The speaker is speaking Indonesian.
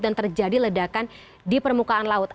dan terjadi ledakan di permukaan laut